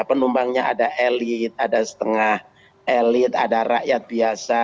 penumpangnya ada elit ada setengah elit ada rakyat biasa